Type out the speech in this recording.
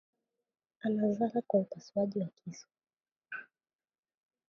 Anazala kwa upasuaji wa kisu